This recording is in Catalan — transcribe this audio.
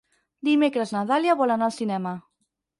Dimecres na Dàlia vol anar al cinema.